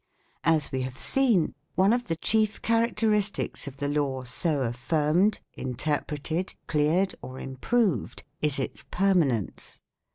As we have seen, one of the chief characteristics of the law so affirmed, interpreted, cleared, or improved, is its permanence.